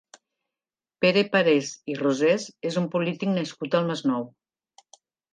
Pere Parés i Rosés és un polític nascut al Masnou.